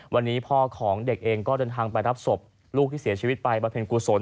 วันนี้พ่อของเด็กเองก็เดินทางไปรับศพลูกที่เสียชีวิตไปประเพ็ญกุศล